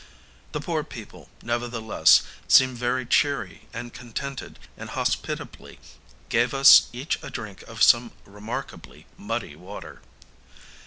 The poor people, nevertheless, seemed very cheery and contented, and hospitably gave us each a drink of some remarkably muddy water.